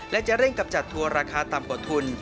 และจะเร่งกำจัดทัวร์ราคาต่ำกว่าทุน